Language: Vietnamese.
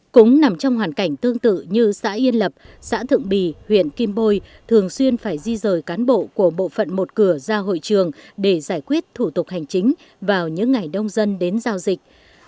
cũng nằm trong hoàn cảnh tương tự như xã yên lập xã thượng bì huyện kim bôi thường xuyên phải di rời cán bộ của bộ phận một cửa ra hội trường để giải quyết thủ tục hành chính vào những ngày đông dân đến giao dịch